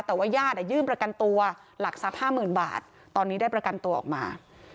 แต่ว่าย่าได้ยืมประกันตัวหลักสักห้าหมื่นบาทตอนนี้ได้ประกันตัวออกมา